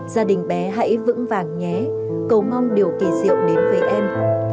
gia đình bé hãy vững vàng nhé cầu mong điều kỳ diệu đến với em